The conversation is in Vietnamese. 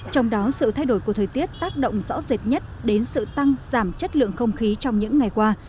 trong đó sự thay đổi của thời tiết tác động rõ rệt nhất đến sự tăng giảm chất lượng không khí trong những ngày qua